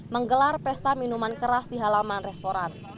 menggelar pesta minuman keras di halaman restoran